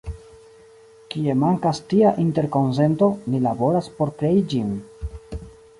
Kie mankas tia interkonsento, ni laboras por krei ĝin.